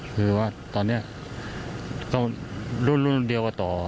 คือว่าตอนนี้ก็รุ่นเดียวกันต่อ